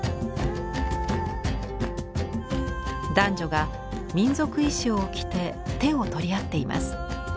男女が民族衣装を着て手を取り合っています。